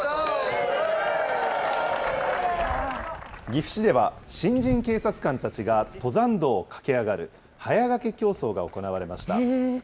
岐阜市では、新人警察官たちが、登山道を駆け上がる、早駆け競走が行われました。